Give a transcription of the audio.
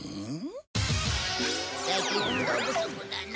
最近運動不足だな。